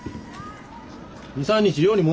２３日寮に戻れば？